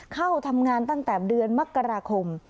เข้าทำงานตั้งแต่เดือนมกราคม